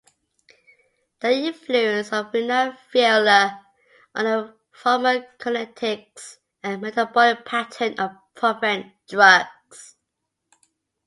The influence of renal failure on the pharmacokinetics and metabolic pattern of profen drugs.